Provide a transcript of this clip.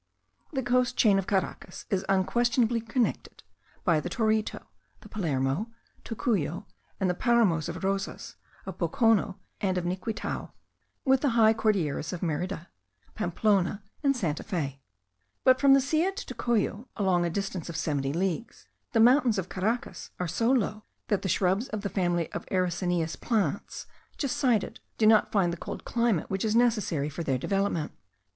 The coast chain of Caracas is unquestionably connected (by the Torito, the Palomera, Tocuyo, and the paramos of Rosas, of Bocono, and of Niquitao) with the high Cordilleras of Merida, Pamplona, and Santa Fe; but from the Silla to Tocuyo, along a distance of seventy leagues, the mountains of Caracas are so low, that the shrubs of the family of the ericineous plants, just cited, do not find the cold climate which is necessary for their development.